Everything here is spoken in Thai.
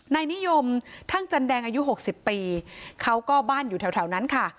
นายนิยมทั่งจันแดงอายุ๖๐ปีเขาก็บ้านอยู่แถวนั้นค่ะ